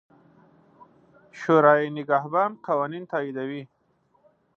شورای نګهبان قوانین تاییدوي.